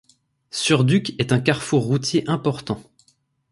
Surduc est un carrefour routier important.